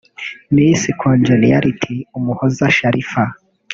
Miss Congeniality Umuhoza Sharifa